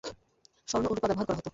স্বর্ণ ও রূপা ব্যবহার করা হত।